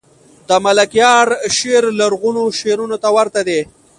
دملکیار شعر لرغونو شعرونو ته ورته دﺉ.